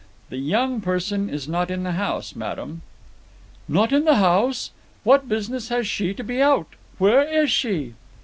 "The young person is not in the house, madam." "Not in the house? What business has she to be out? Where is she?"